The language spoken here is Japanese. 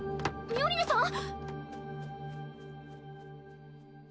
ミオリネさん？